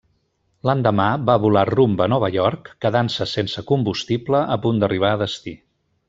L'endemà va volar rumb a Nova York quedant-se sense combustible a punt d'arribar a destí.